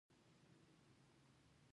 آیا د قسم خوړل د باور لپاره نه وي؟